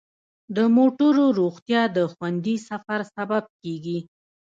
د موټرو روغتیا د خوندي سفر سبب کیږي.